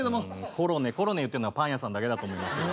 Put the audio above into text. コロネコロネ言ってるのはパン屋さんだけだと思いますけどね。